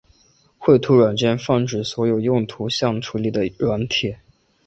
绘图软件泛指所有用于图像处理的软体。